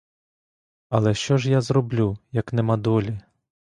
Але що ж я зроблю, як нема долі?